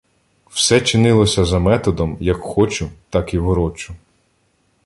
Все чинилося за методом – «як хочу, так і ворочу»